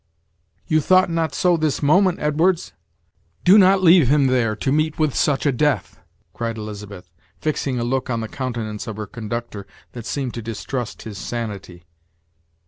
"You thought not so this moment, Edwards! Do not leave him there to meet with such a death," cried Elizabeth, fixing a look on the countenance of her conductor that seemed to distrust his sanity.